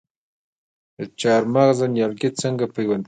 د چهارمغز نیالګي څنګه پیوند کړم؟